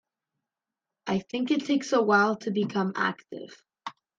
I think it takes a while to become active.